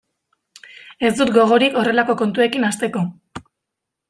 Ez dut gogorik horrelako kontuekin hasteko.